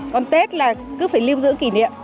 còn tết là cứ phải lưu giữ kỷ niệm